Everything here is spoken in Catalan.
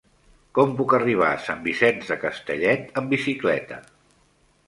Com puc arribar a Sant Vicenç de Castellet amb bicicleta?